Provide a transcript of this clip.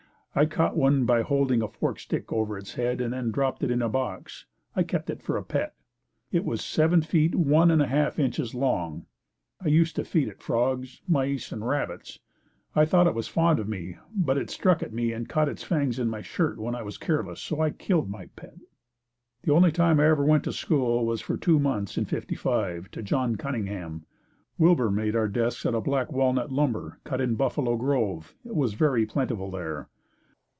I caught one by holding a forked stick over its head and then dropped it in a box. I kept it for a pet. It was seven feet, one and a half inches long, I used to feed it frogs, mice and rabbits. I thought it was fond of me, but it struck at me and caught its fangs in my shirt when I was careless, so I killed my pet. The only time I ever went to school was for two months in '55, to John Cunningham. Wilbur made our desks out of black walnut lumber, cut in Buffalo Grove. It was very plentiful there.